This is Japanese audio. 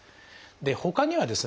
ほかにはですね